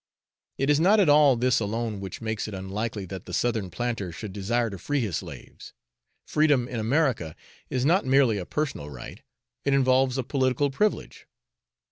It is not all this alone which makes it unlikely that the Southern planter should desire to free his slaves: freedom in America is not merely a personal right, it involves a political privilege.